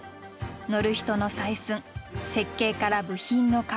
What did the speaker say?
乗る人の採寸設計から部品の加工